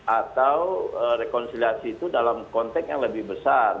atau rekonsiliasi itu dalam konteks yang lebih besar